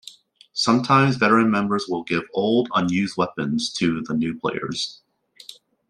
Sometimes veteran members will give old, unused weapons to the new players.